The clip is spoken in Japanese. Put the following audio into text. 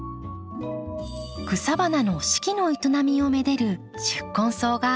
草花の四季の営みをめでる宿根草ガーデン。